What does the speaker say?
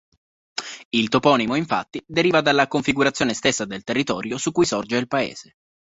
Il toponimo infatti, deriva dalla configurazione stessa del territorio su cui sorge il paese.